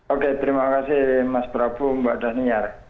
oke terima kasih mas prabu mbak dhaniar